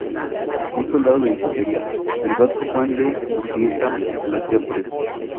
Un soldado de infantería, el vasco Juan de Urbieta, lo hacía preso.